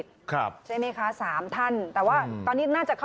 ใช่ไหมคะ๓ท่าน